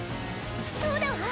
そうだわ！